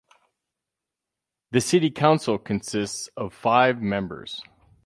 The city council consists of five members.